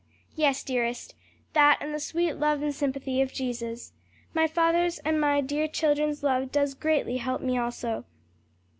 "Yes, dearest, that and the sweet love and sympathy of Jesus. My father's and my dear children's love does greatly help me also.